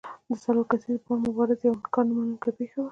د څلور کسیز بانډ مبارزه یوه انکار نه منونکې پېښه وه.